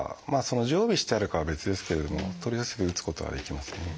常備してあるかは別ですけれども取り寄せて打つことはできますね。